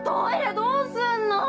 どうすんの？